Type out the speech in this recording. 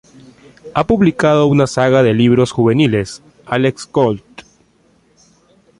Ha publicado una saga de libros juveniles, Alex Colt.